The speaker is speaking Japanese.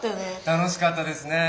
楽しかったですね。